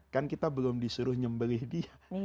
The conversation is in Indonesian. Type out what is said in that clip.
kan kita belum disuruh nyembelih dia